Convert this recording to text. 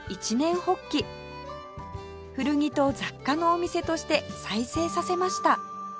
古着と雑貨のお店として再生させました